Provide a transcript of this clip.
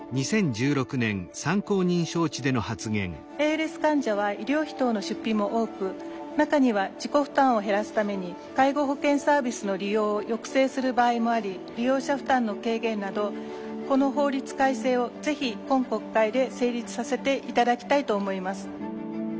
ＡＬＳ患者は医療費等の出費も多く中には自己負担を減らすために介護保険サービスの利用を抑制する場合もあり利用者負担の軽減などこの法律改正をぜひ今国会で成立させて頂きたいと思います。